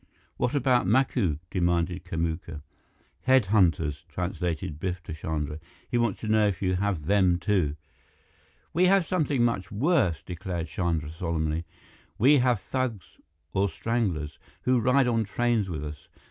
"What about Macu?" demanded Kamuka. "Head hunters," translated Biff to Chandra. "He wants to know if you have them, too." "We have something much worse," declared Chandra solemnly. "We have thugs, or stranglers, who ride on trains with us.